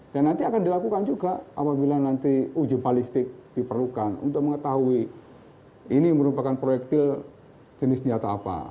dan nanti akan dilakukan juga apabila nanti uji balistik diperlukan untuk mengetahui ini merupakan proyektil jenis senjata apa